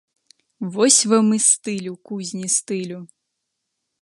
Вось вам і стыль у кузні стылю!